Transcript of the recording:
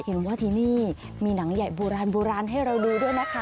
เห็นว่าที่นี่มีหนังใหญ่โบราณโบราณให้เราดูด้วยนะคะ